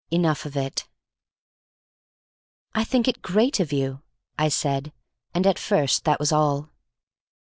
Enough of it. "I think it great of you," I said, and at first that was all.